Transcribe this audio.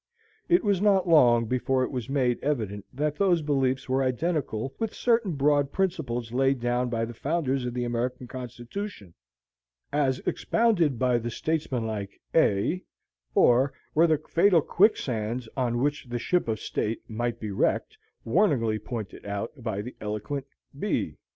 It was not long before it was made evident that those beliefs were identical with certain broad principles laid down by the founders of the American Constitution, as expounded by the statesmanlike A; or were the fatal quicksands, on which the ship of state might be wrecked, warningly pointed out by the eloquent B.